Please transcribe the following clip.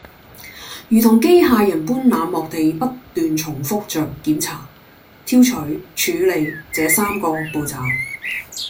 如同機械人般冷漠地不斷重覆著檢查、挑取、處理這三個步驟